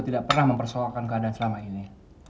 tidak pernah mempersoalkan keadaan selama ini